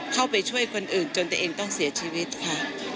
เข้าไปช่วยคนอื่นจนตัวเองต้องเสียชีวิตค่ะ